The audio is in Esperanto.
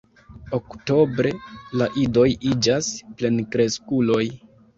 Oktobre la idoj iĝas plenkreskuloj.